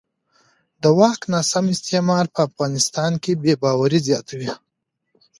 د واک ناسم استعمال په افغانستان کې بې باورۍ زیاتوي